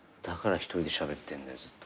だから一人でしゃべってんだよ